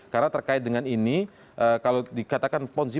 karena terkait dengan ini kalau dikatakan ponzi